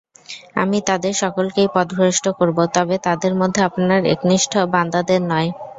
আমি তাদের সকলকেই পথভ্রষ্ট করব, তবে তাদের মধ্যে আপনার একনিষ্ঠ বান্দাদের নয়।